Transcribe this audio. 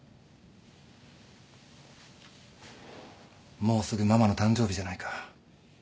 もうすぐママの誕生日じゃないか。